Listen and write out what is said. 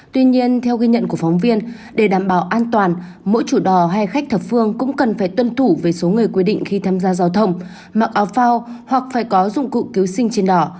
tuy nhiên theo ghi nhận của phóng viên để đảm bảo an toàn mỗi chủ đò hay khách thập phương cũng cần phải tuân thủ về số người quy định khi tham gia giao thông mặc áo phao hoặc phải có dụng cụ cứu sinh trên đọ